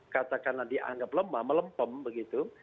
katakanlah dianggap lemah melempem begitu